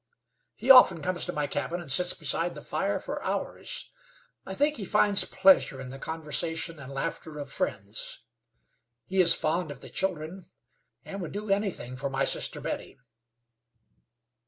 He often comes to my cabin and sits beside the fire for hours. I think he finds pleasure in the conversation and laughter of friends. He is fond of the children, and would do anything for my sister Betty."